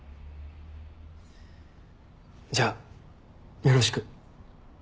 じゃあよろしく。